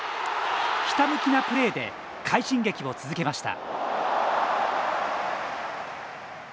ひたむきなプレーで快進撃を続けました。